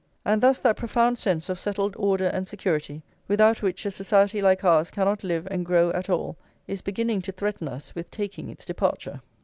And thus that profound sense of settled order and security, without which a society like ours cannot live and grow at all, is beginning to threaten us with taking its departure.